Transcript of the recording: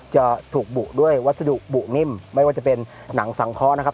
จะถูกบุด้วยวัสดุบุนิ่มไม่ว่าจะเป็นหนังสังเคราะห์นะครับ